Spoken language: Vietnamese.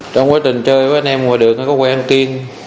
trong quá trình chơi với anh em ngoài đường nó có quen tin